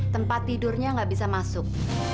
tempat tidurnya nggak bisa masuk